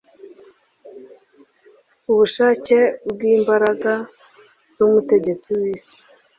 Ubushake bwi imbaraga zumutegetsi wisi